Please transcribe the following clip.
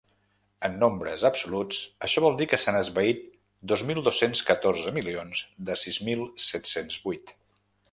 En nombres absoluts, això vol dir que s’han esvaït dos mil dos-cents catorze milions de sis mil set-cents vuit.